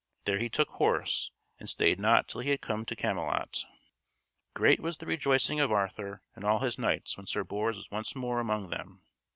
There he took horse, and stayed not till he had come to Camelot. Great was the rejoicing of Arthur and all his knights when Sir Bors was once more among them.